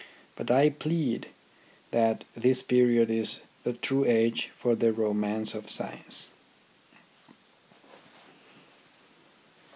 But I plead that this period is the true age for the romance of science.